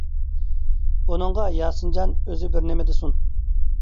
بۇنىڭغا ياسىنجان ئۆزى بىر نېمە دېسۇن.